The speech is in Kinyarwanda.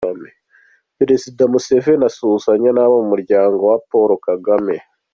Perezida Museveni asuhuzanya n’abo mu muryango wa Paul Kagame.